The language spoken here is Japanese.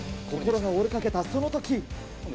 心が折れかけたそのとき。